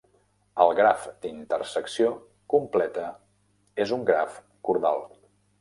El graf d'intersecció completa és un graf cordal.